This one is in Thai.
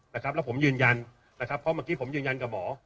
แล้วผมยืนยันนะครับเพราะเมื่อกี้ผมยืนยันกับหมอ